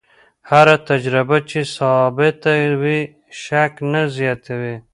هره تجربه چې ثابته وي، شک نه زیاتوي.